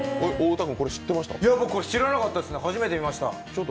僕これ知らなかったですね、初めて見ました。